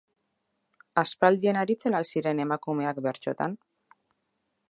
Aspaldian aritzen al ziren emakumeak bertsotan?